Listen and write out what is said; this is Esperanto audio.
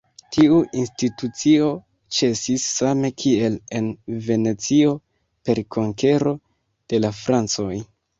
Tiu institucio ĉesis same kiel en Venecio, per konkero de la francoj.